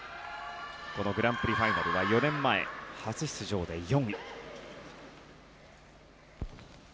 このグランプリファイナルは４年前、初出場で４位。